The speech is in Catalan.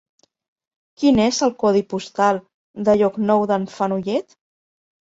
Quin és el codi postal de Llocnou d'en Fenollet?